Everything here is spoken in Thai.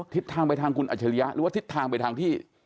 ทิศทางไปทางคุณอัจฉริยะหรือว่าทิศทางไปทางที่